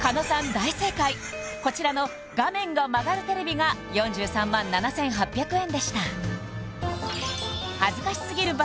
大正解こちらの画面が曲がるテレビが４３万７８００円でした恥ずかしすぎる罰